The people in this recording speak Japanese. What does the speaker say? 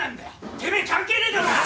てめえ関係ねえだろうが！